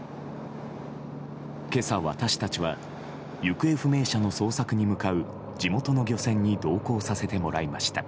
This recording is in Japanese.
今朝、私たちは行方不明者の捜索に向かう地元の漁船に同行させてもらいました。